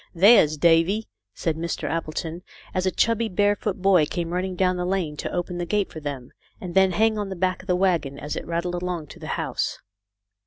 "There's Davy," said Mr. Appleton, as a chubby, barefoot boy came racing down the lane to open the gate for them, and then hang on the back of the wagon as it rattled along to the house.